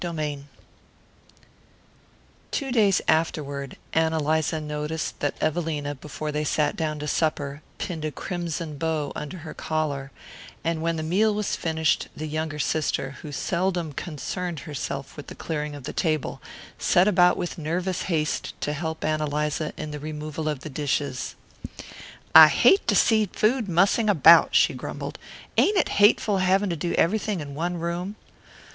III Two days afterward, Ann Eliza noticed that Evelina, before they sat down to supper, pinned a crimson bow under her collar; and when the meal was finished the younger sister, who seldom concerned herself with the clearing of the table, set about with nervous haste to help Ann Eliza in the removal of the dishes. "I hate to see food mussing about," she grumbled. "Ain't it hateful having to do everything in one room?"